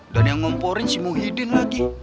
dan yang ngemporin si muhyiddin lagi